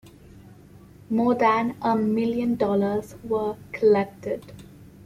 More than a million dollars were collected.